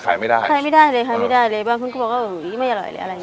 บางคนก็บอกว่าอุ๊ยไม่อร่อยเลยอะไรอย่างเงี้ย